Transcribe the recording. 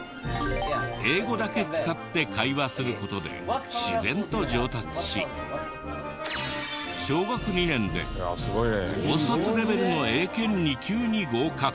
英語だけ使って会話する事で自然と上達し小学２年で高卒レベルの英検２級に合格。